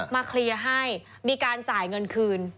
เคลียร์ให้มีการจ่ายเงินคืน